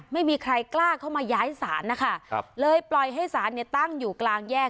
ไม่มีใครกล้าเข้ามาย้ายศาลนะคะเลยปล่อยให้ศาลเนี่ยตั้งอยู่กลางแยก